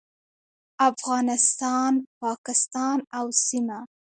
افغانستان، پاکستان او سیمه